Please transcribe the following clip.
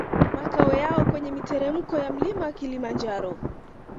Makao yao kwenye miteremko ya mlima wa Kilimanjaro